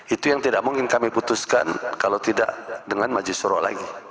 itu yang tidak mungkin kami putuskan kalau tidak dengan majlis surah lagi